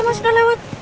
ya mas udah lewat